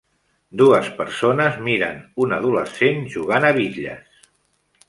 Dues persones miren una adolescent jugant a bitlles.